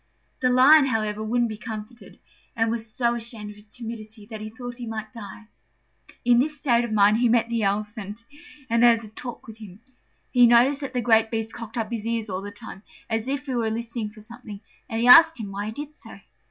The Lion, however, wouldn't be comforted, and was so ashamed of his timidity that he wished he might die. In this state of mind, he met the Elephant and had a talk with him. He noticed that the great beast cocked up his ears all the time, as if he were listening for something, and he asked him why he did so.